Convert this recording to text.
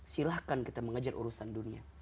silahkan kita mengajar urusan dunia